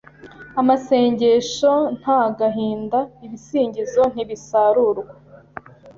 Amasengesho ntagahinda Ibisingizo ntibisarurwa